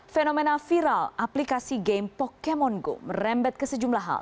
fenomena viral aplikasi game pokemon go merembet ke sejumlah hal